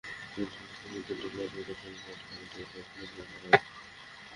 ময়নাতদন্তের জন্য দুটি লাশ গতকাল শনিবার ঢাকা মেডিকেল কলেজ মর্গে আনা হয়।